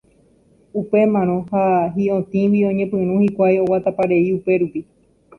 Upémarõ ha hi'otĩgui oñepyrũ hikuái oguataparei upérupi.